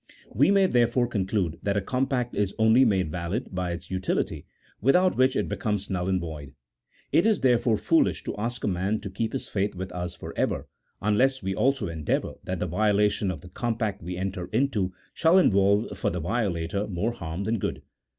We may, therefore, conclude that a compact is only made valid by its utility, without which it becomes null and void. It is, therefore, foolish to ask a man to keep his faith with us for ever, unless we also endeavour that the violation of the compact we enter into shall involve for the violator more harm than good.